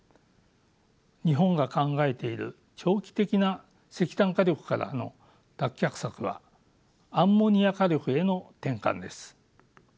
日本が考えている長期的な石炭火力からの脱却策はアンモニア火力への転換です。